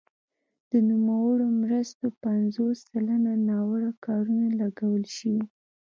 د نوموړو مرستو پنځوس سلنه ناوړه کارونې لګول شوي.